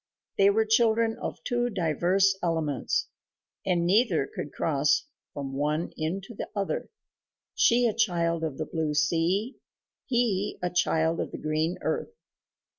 They were children of two diverse elements, and neither could cross from one into the other she a child of the blue sea, he a child of the green earth.